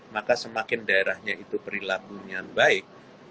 maka semakin daerahnya itu perilakunya baik